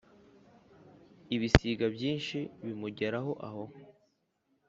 Ibisiga byinshi bimugeraho aho,